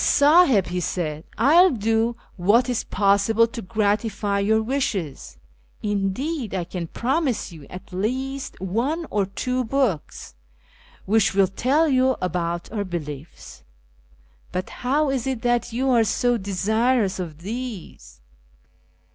"" Sahib," he said, " I will do what is possible to gratify your wishes : indeed I can promise you at least one or two books which will tell you about our beliefs. I'.ut how is it that you are so desirous of these